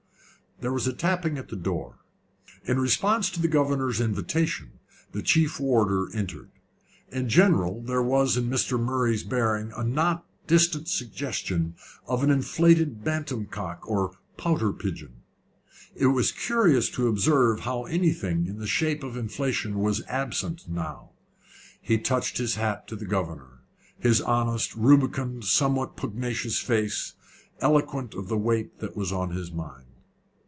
There was a tapping at the door. In response to the governor's invitation, the chief warder entered. In general there was in Mr. Murray's bearing a not distant suggestion of an inflated bantam cock or pouter pigeon. It was curious to observe how anything in the shape of inflation was absent now. He touched his hat to the governor his honest, rubicund, somewhat pugnacious face, eloquent of the weight that was on his mind.